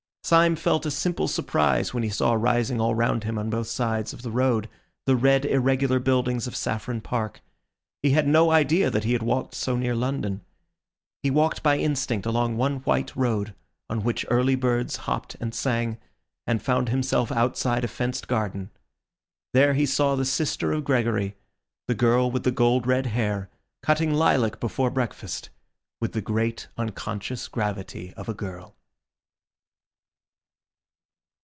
Syme felt a simple surprise when he saw rising all round him on both sides of the road the red, irregular buildings of Saffron Park. He had no idea that he had walked so near London. He walked by instinct along one white road, on which early birds hopped and sang, and found himself outside a fenced garden. There he saw the sister of Gregory, the girl with the gold red hair, cutting lilac before breakfast, with the great unconscious gravity of a girl.